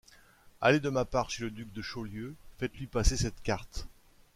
Allez de ma part chez le duc de Chaulieu, faites-lui passer cette carte.